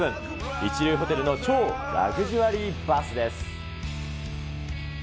一流ホテルの超ラグジュアリーバスです。